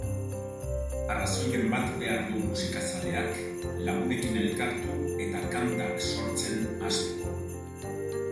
Arrazoiren bat behar du musikazaleak, lagunekin elkartu eta kantak sortzen hasteko.